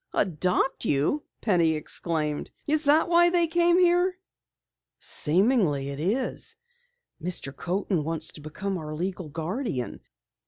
"Adopt you!" Penny exclaimed. "Is that why they came here?" "Seemingly, it is. Mr. Coaten wants to become our legal guardian.